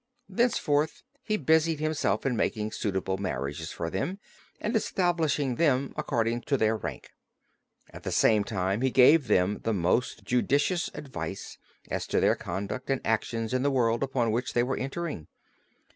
Thenceforth, he busied himself in making suitable marriages for them, and establishing them according to their rank; at the same time he gave them the most judicious advice as to their conduct and actions in the world upon which they were entering.